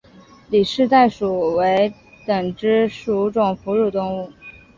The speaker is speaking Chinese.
里氏袋鼬属等之数种哺乳动物。